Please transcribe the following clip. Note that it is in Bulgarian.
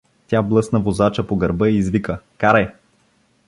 Тя блъсна возача по гърба и извика: — Карай!